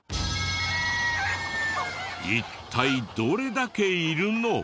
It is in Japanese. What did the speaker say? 一体どれだけいるの？